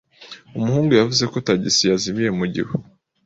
Umuhungu yavuze ko tagisi yazimiye mu gihu.